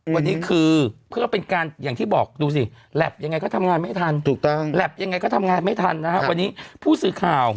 วันนี้คือเพื่อเป็นการอย่างที่บอกดูสิแหลปยังไงก็ทำงานไม่ทันถูกต้องแหลบยังไงก็ทำงานไม่ทันนะครับวันนี้ผู้สื่อข่าว